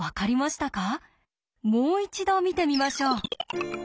もう一度見てみましょう。